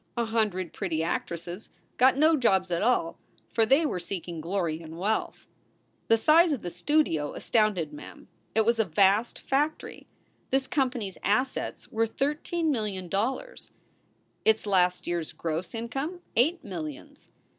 A hundred pretty actresses got no jobs at all, for they were seeking glory and wealth. The size of the studio astounded Mem. It was a vast factory. This company s assets were thirteen million dol lars; its last year s gross income eight millions.